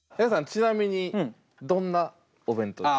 ちなみにどんなお弁当？